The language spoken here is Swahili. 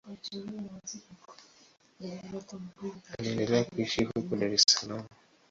Anaendelea kuishi huko Dar es Salaam.